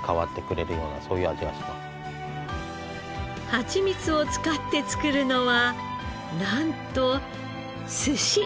ハチミツを使って作るのはなんと寿司。